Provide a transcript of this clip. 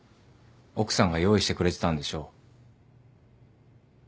奥さんが用意してくれてたんでしょう。